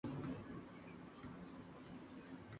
Su infancia la vivió en la ciudad de Soledad en Atlántico.